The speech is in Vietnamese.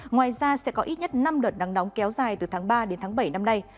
ngoài ra sẽ có ít nhất năm đợt nắng nóng kéo dài từ tháng ba đến tháng bảy năm nay